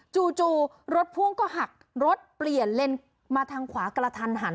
จู่รถพ่วงก็หักรถเปลี่ยนเลนมาทางขวากระทันหัน